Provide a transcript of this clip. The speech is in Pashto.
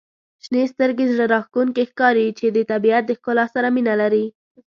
• شنې سترګي زړه راښکونکي ښکاري چې د طبیعت د ښکلا سره مینه لري.